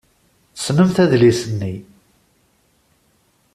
Tessnemt adlis-nni.